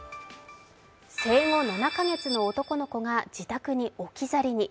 生後７カ月の男の子が自宅に置き去りに。